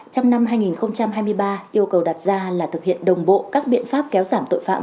trong năm hai nghìn hai mươi ba yêu cầu đặt ra là thực hiện đồng bộ các biện pháp kéo giảm tội phạm